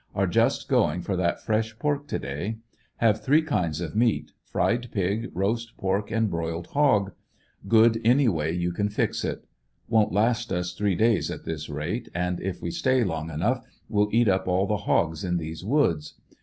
Are just going for that fresh pork to day. Have three kinds of meat — fried pig, roast pork and broiled hog. Good an}' way you can fix it. Won't last us three days at this rate, and if we stay long enough will eat up all the hogs in these woods.